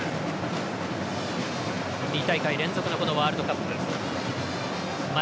２大会連続のワールドカップ。